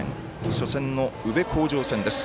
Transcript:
初戦の宇部鴻城戦です。